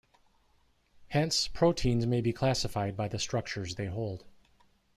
Hence, proteins may be classified by the structures they hold.